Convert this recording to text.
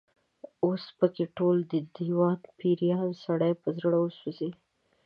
اوس په کې ټول، دېوان پيریان، سړی په زړه وسوځي